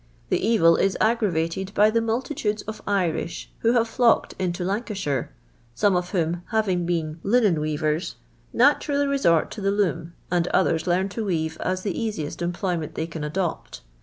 The evil is aggravated by the multitudes of Irish who have flocked into Lancashire, some of whom, having been linen weavers, naturally resort to the loon, and others learn to weave as the easiest employ ment they can adopt.